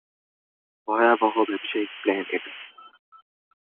ভয়াবহ ব্যবসায়িক প্ল্যান এটা।